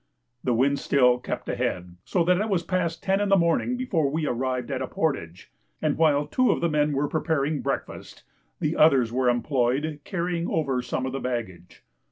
The wind still kept ahead, so that it was past ten in the morning before we arrived at a portage, and while two of the men were preparing breakfast, the others were employed carrying over some of the baggage.